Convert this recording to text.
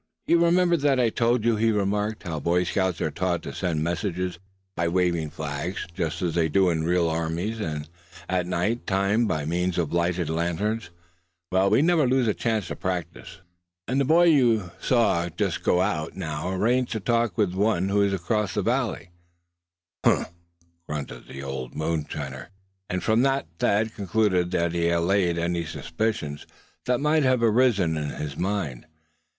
"You remember that I told you," he remarked, "how Boy Scouts are taught to send messages by waving flags, just as they do in real armies; and at night time by means of lighted lanterns. Well, we never lose a chance to practice; and the boy you saw go out just now arranged to talk with the one who is across the valley." "Huh!" grunted the mountaineer; and from that Thad concluded that he had allayed any suspicions that may have arisen in his mind.